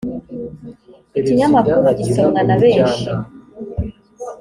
ikinyamakuru gisomwa na benshi .